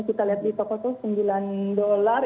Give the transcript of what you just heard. kita lihat di toko itu sembilan dolar